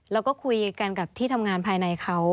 แล้วก็คุยกันกับที่ทำงานภายในเขา